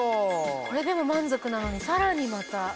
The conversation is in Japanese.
これでも満足なのにさらにまた。